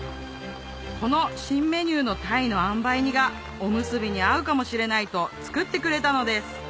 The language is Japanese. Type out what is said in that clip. この新メニューのがおむすびに合うかもしれないと作ってくれたのです